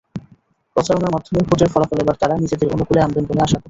প্রচারণার মাধ্যমে ভোটের ফলাফল এবার তাঁরা নিজেদের অনুকূলে আনবেন বলে আশা করছেন।